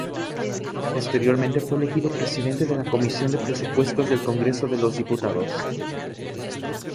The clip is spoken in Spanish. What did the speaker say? Posteriormente fue elegido Presidente de la comisión de Presupuestos del Congreso de los Diputados.